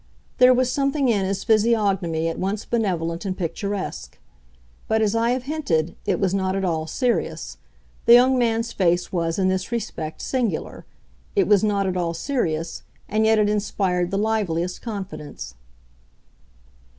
There was something in his physiognomy at once benevolent and picturesque. But, as I have hinted, it was not at all serious. The young man's face was, in this respect, singular; it was not at all serious, and yet it inspired the liveliest confidence.